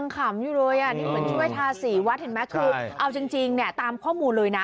คือเอาจริงเนี่ยตามข้อมูลเลยนะ